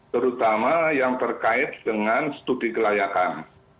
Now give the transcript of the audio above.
terutama yang terkait dengan studi kelayakan